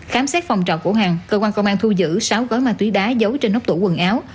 khám xét phòng trọ cổ hàng cơ quan công an thu giữ sáu gói ma túy đá giấu trên ốc tủ quần áo